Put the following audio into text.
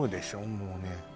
もうね